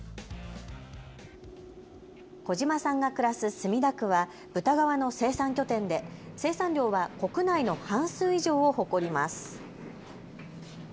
児嶋さんが暮らす墨田区は豚革の生産拠点で生産量は国内の半数以上を誇ります。